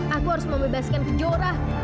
aku harus membebaskan kejorah